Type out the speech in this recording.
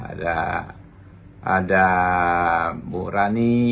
ada bu rani